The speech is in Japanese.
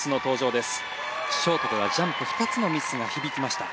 ショートではジャンプ２つのミスが響きました。